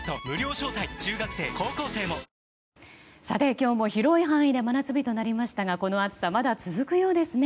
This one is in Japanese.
今日も広い範囲で真夏日となりましたがこの暑さ、まだ続くようですね。